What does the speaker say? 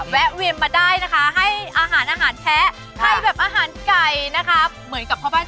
วันหนาวินาทีจะแวะไปให้อาหารน้องแพะบ้าง